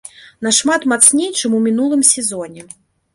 Нашмат мацней, чым у мінулым сезоне.